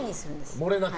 もれなく。